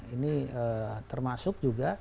ini termasuk juga